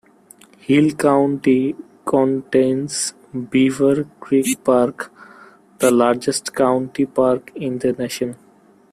Hill County contains Beaver Creek park, the largest county park in the nation.